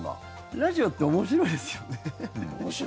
ラジオって面白いですよね。